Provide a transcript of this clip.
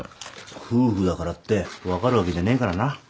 夫婦だからって分かるわけじゃねえからな。